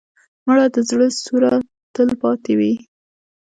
مړه د زړه سوره تل پاتې وي